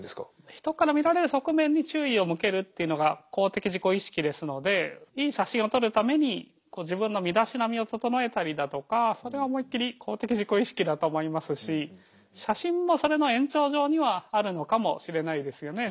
人から見られる側面に注意を向けるっていうのが公的自己意識ですのでいい写真を撮るために自分の身だしなみを整えたりだとかそれは思いっきり公的自己意識だと思いますし写真もそれの延長上にはあるのかもしれないですよね。